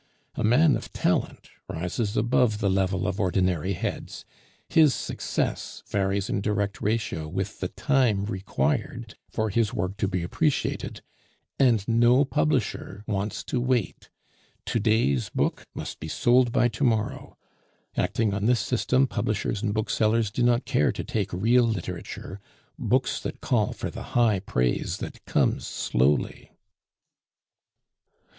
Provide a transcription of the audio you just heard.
A man of talent rises above the level of ordinary heads; his success varies in direct ratio with the time required for his work to be appreciated. And no publisher wants to wait. To day's book must be sold by to morrow. Acting on this system, publishers and booksellers do not care to take real literature, books that call for the high praise that comes slowly."